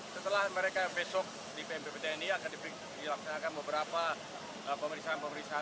setelah mereka besok di pmpp tni akan dilaksanakan beberapa pemeriksaan pemeriksaan